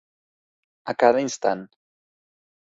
A cada instant.